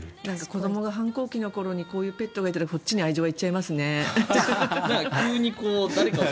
子どもが反抗期の頃にこういうペットがいたらこっちに愛情が行っちゃいますね。